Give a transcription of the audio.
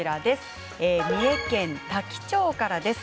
三重県多気町からです。